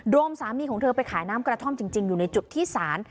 สามีของเธอไปขายน้ำกระท่อมจริงอยู่ในจุดที่ศาล